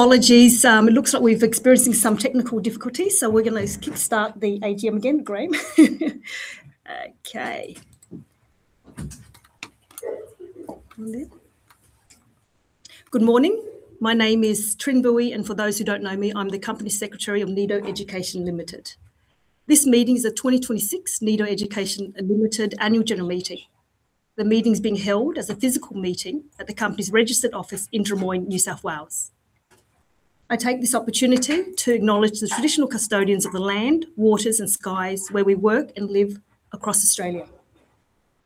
Apologies. It looks like we're experiencing some technical difficulties. We're going to kick start the AGM again, Graham. Okay. Good morning. My name is Trinh Bui, and for those who don't know me, I'm the Company Secretary of Nido Education Limited. This meeting is the 2026 Nido Education Limited Annual General Meeting. The meeting's being held as a physical meeting at the company's registered office in Drummoyne, New South Wales. I take this opportunity to acknowledge the traditional custodians of the land, waters, and skies where we work and live across Australia.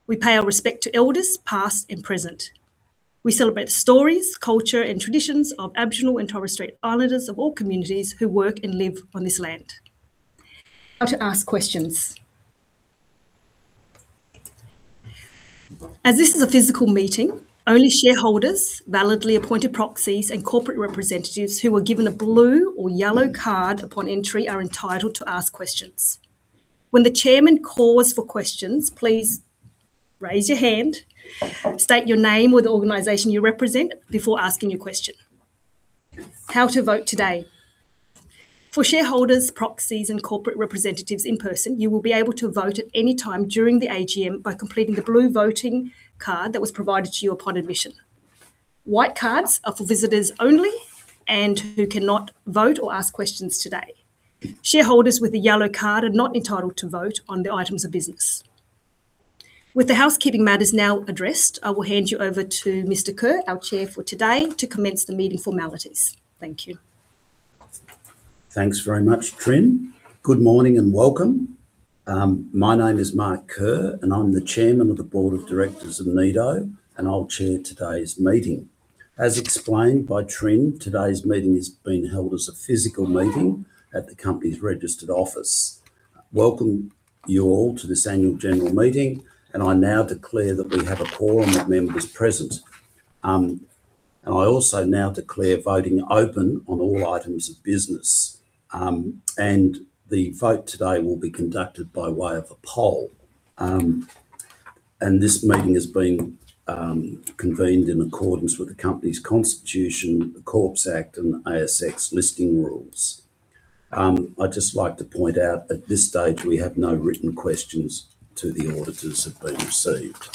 We pay our respect to elders, past and present. We celebrate the stories, culture, and traditions of Aboriginal and Torres Strait Islanders of all communities who work and live on this land. How to ask questions. As this is a physical meeting, only shareholders, validly appointed proxies, and corporate representatives who were given a blue or yellow card upon entry are entitled to ask questions. When the Chairman calls for questions, please raise your hand, state your name or the organization you represent before asking your question. How to vote today. For shareholders, proxies, and corporate representatives in person, you will be able to vote at any time during the AGM by completing the blue voting card that was provided to you upon admission. White cards are for visitors only and who cannot vote or ask questions today. Shareholders with a yellow card are not entitled to vote on the items of business. With the housekeeping matters now addressed, I will hand you over to Mr Kerr, our Chair for today, to commence the meeting formalities. Thank you. Thanks very much, Trinh. Good morning and welcome. My name is Mark Kerr, and I'm the chairman of the board of directors of Nido, and I'll chair today's meeting. As explained by Trinh, today's meeting is being held as a physical meeting at the company's registered office. Welcome, you all, to this annual general meeting, and I now declare that we have a quorum of members present. I also now declare voting open on all items of business. The vote today will be conducted by way of a poll. This meeting is being convened in accordance with the company's constitution, the Corps Act and the ASX listing rules. I'd just like to point out, at this stage, we have no written questions to the auditors have been received.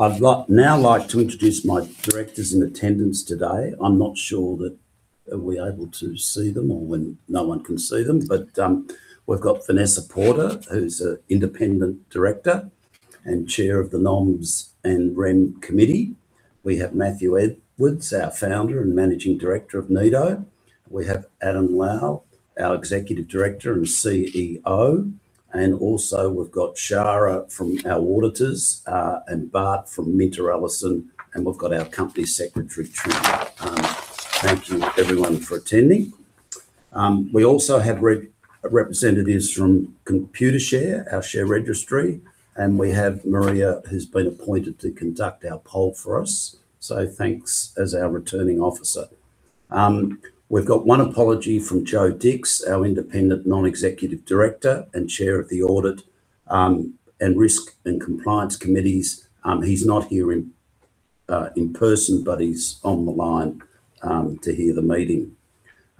I'd now like to introduce my directors in attendance today. I'm not sure that. Are we able to see them or when no one can see them? We've got Vanessa Porter, who's an independent director and chair of the Noms and Rem Committee. We have Mathew Edwards, our founder and managing director of Nido. We have Adam Lai, our executive director and CEO. Also, we've got Shara from our auditors, and Bart from MinterEllison, and we've got our company secretary, Trinh. Thank you everyone for attending. We also have representatives from Computershare, our share registry, and we have Maria, who's been appointed to conduct our poll for us, so thanks as our returning officer. We've got one apology from Joe Dicks, our independent non-executive director and chair of the Audit, and Risk and Compliance Committees. He's not here in person, but he's on the line to hear the meeting.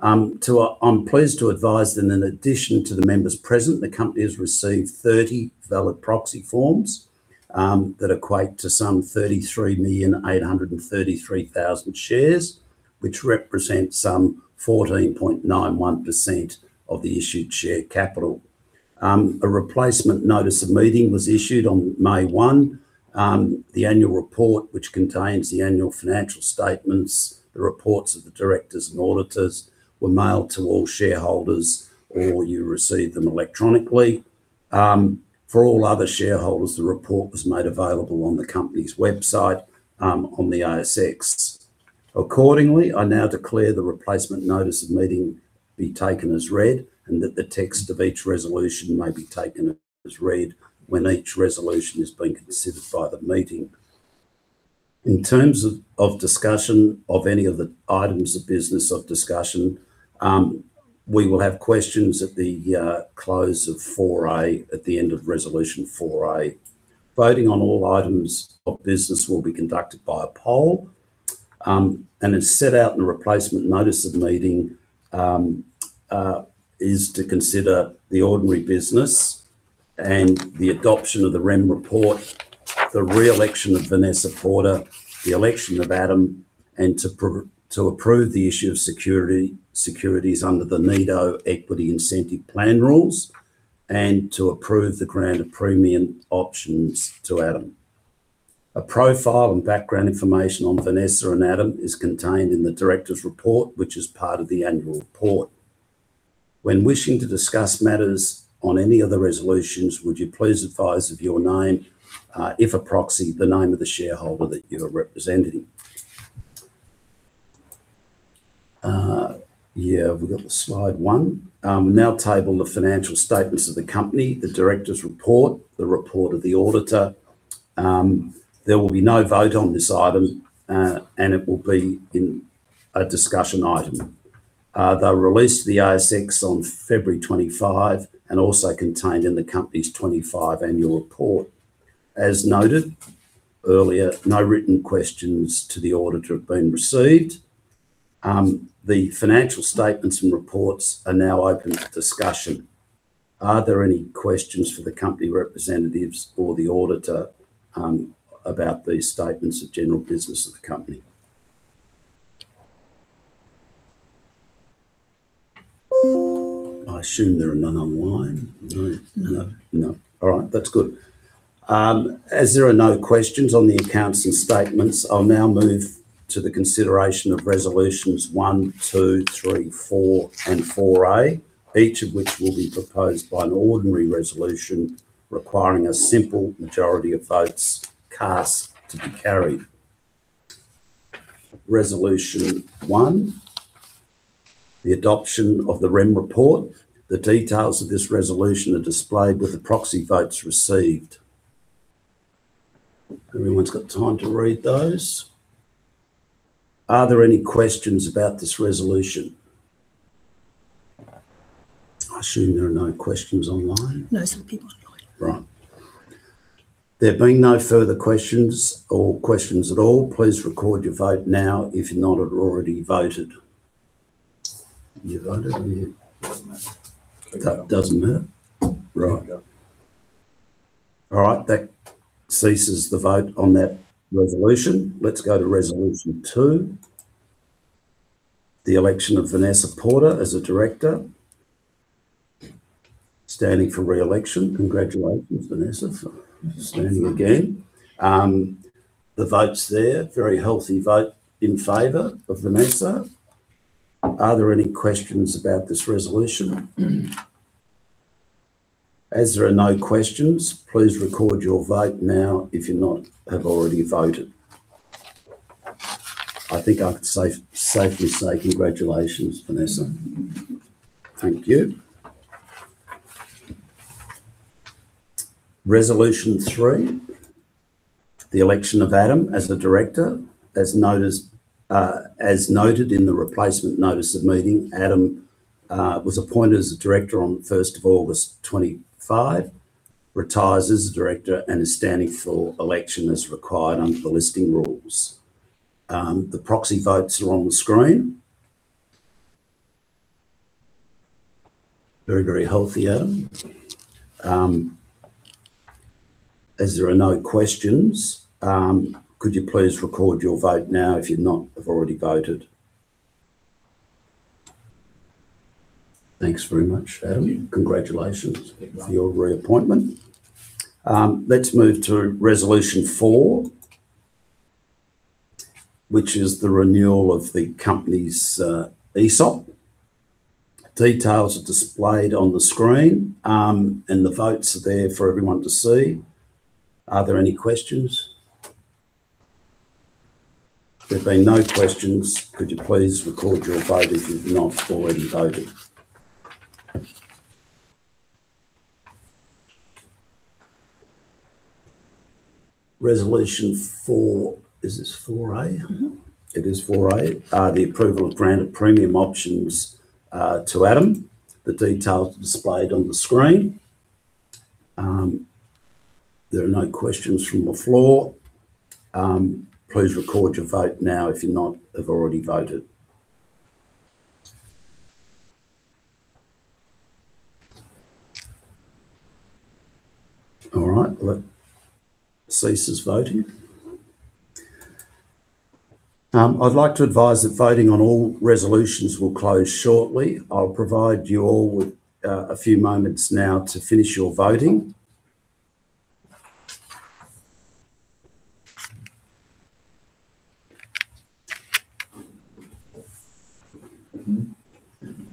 I'm pleased to advise that in addition to the members present, the company has received 30 valid proxy forms, that equate to some 33,833,000 shares, which represents some 14.91% of the issued share capital. A replacement notice of meeting was issued on May 1. The annual report, which contains the annual financial statements, the reports of the directors and auditors, were mailed to all shareholders, or you received them electronically. For all other shareholders, the report was made available on the company's website, on the ASX. Accordingly, I now declare the replacement notice of meeting be taken as read, and that the text of each resolution may be taken as read when each resolution is being considered by the meeting. In terms of discussion of any of the items of business of discussion, we will have questions at the close of 4A at the end of resolution 4A. Voting on all items of business will be conducted by a poll. As set out in the replacement notice of the meeting, is to consider the ordinary business and the adoption of the Rem report, the re-election of Vanessa Porter, the election of Adam, and to approve the issue of securities under the Nido Education Equity Incentive Plan rules, and to approve the grant of premium options to Adam. A profile and background information on Vanessa and Adam is contained in the directors' report, which is part of the annual report. When wishing to discuss matters on any of the resolutions, would you please advise of your name, if a proxy, the name of the shareholder that you are representing. Yeah, have we got the slide one? We now table the financial statements of the company, the directors' report, the report of the auditor. There will be no vote on this item, and it will be a discussion item. They were released to the ASX on February 25 and also contained in the company's 2025 annual report. As noted earlier, no written questions to the auditor have been received. The financial statements and reports are now open for discussion. Are there any questions for the company representatives or the auditor about these statements of general business of the company? I assume there are none online. No. No. No. All right. That's good. As there are no questions on the accounts and statements, I'll now move to the consideration of resolutions one, two, three, four, and 4A, each of which will be proposed by an ordinary resolution requiring a simple majority of votes cast to be carried. Resolution one, the adoption of the Rem report. The details of this resolution are displayed with the proxy votes received. Everyone's got time to read those. Are there any questions about this resolution? I assume there are no questions online. No, some people are voting. Right. There being no further questions or questions at all, please record your vote now if you've not had already voted. You voted, have you? Doesn't matter. That doesn't matter. Right. There we go. All right. That ceases the vote on that resolution. Let's go to resolution two, the election of Vanessa Porter as a director standing for re-election. Congratulations, Vanessa. Thank you standing again. The votes there, very healthy vote in favor of Vanessa. Are there any questions about this resolution? As there are no questions, please record your vote now if you've not have already voted. I think I can safely say congratulations, Vanessa. Thank you. Resolution three, the election of Adam as the director. As noted in the replacement notice of meeting, Adam was appointed as a director on the 1st of August 2025, retires as a director and is standing for election as required under the listing rules. Very healthy, Adam. As there are no questions, could you please record your vote now if you've not already voted. Thanks very much, Adam. Thank you. Congratulations. Thank you for your reappointment. Let's move to resolution four, which is the renewal of the company's ESOP. Details are displayed on the screen, and the votes are there for everyone to see. Are there any questions? There being no questions, could you please record your vote if you've not already voted. Resolution four. Is this 4A? It is 4A, the approval of granted premium options to Adam. The details are displayed on the screen. There are no questions from the floor. Please record your vote now if you've not have already voted. All right. Let cease voting. I'd like to advise that voting on all resolutions will close shortly. I'll provide you all with a few moments now to finish your voting.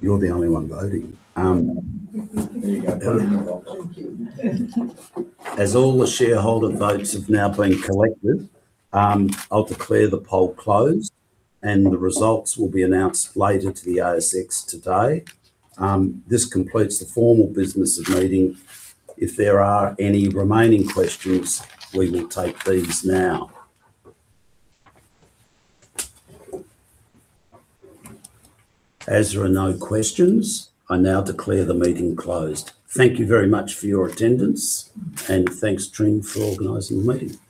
You're the only one voting. There you go. As all the shareholder votes have now been collected, I'll declare the poll closed, and the results will be announced later to the ASX today. This completes the formal business of meeting. If there are any remaining questions, we will take these now. As there are no questions, I now declare the meeting closed. Thank you very much for your attendance, and thanks, Trinh, for organizing the meeting. Thank you